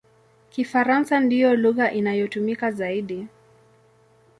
Kifaransa ndiyo lugha inayotumika zaidi.